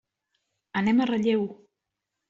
Anem a Relleu.